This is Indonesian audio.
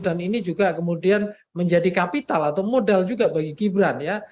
dan ini juga kemudian menjadi kapital atau modal juga bagi gibran ya